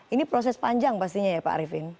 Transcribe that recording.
ini proses panjang pastinya ya pak arifin